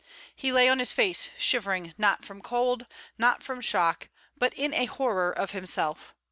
He lay on his face, shivering, not from cold, not from shock, but in a horror of himself.